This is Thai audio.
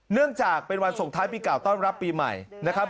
เนื่องจากเป็นวันส่งท้ายปีเก่าต้อนรับปีใหม่นะครับ